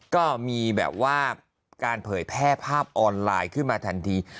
ก็มีแบบว่าการเผยแพร่ภาพออนไลน์ขึ้นมาทันที